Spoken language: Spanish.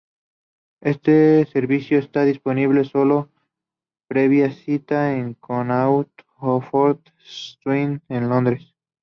Este servicio está disponible, solo previa cita, en Connaught Oxford Street en Londres.